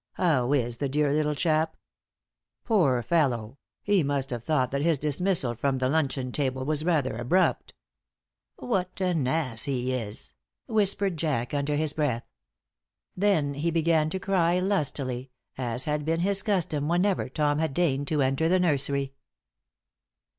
How is the dear little chap? Poor fellow, he must have thought that his dismissal from the luncheon table was rather abrupt." "What an ass he is!" whispered Jack, under his breath. Then he began to cry lustily, as had been his custom whenever Tom had deigned to enter the nursery.